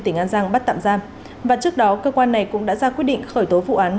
tỉnh an giang bắt tạm giam và trước đó cơ quan này cũng đã ra quyết định khởi tố vụ án